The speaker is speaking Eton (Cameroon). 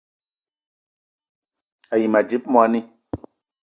A yi ma dzip moni